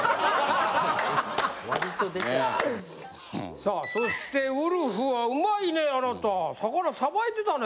さあそしてウルフはうまいねあなた魚さばいてたね。